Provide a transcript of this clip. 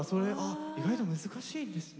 意外と難しいんですね。